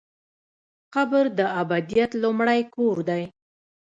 قبر د ابدیت لومړی کور دی